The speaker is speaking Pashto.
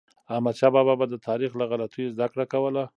احمدشاه بابا به د تاریخ له غلطیو زدهکړه کوله.